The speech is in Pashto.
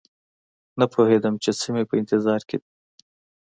نه پوهېدم چې څه مې په انتظار کې دي